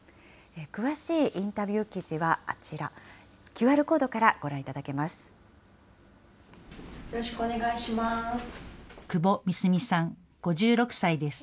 詳しいインタビュー記事はあちら、ＱＲコードからご覧いただけます。